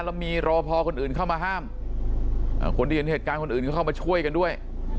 แล้วมีรอพอคนอื่นเข้ามาห้ามคนที่เห็นเหตุการณ์คนอื่นก็เข้ามาช่วยกันด้วย